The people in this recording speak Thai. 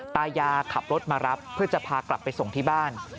ตายาขับรถมารับเพื่อจะพากลับไปส่งที่บ้าน